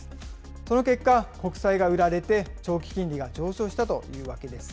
その結果、国債が売られて、長期金利が上昇したというわけです。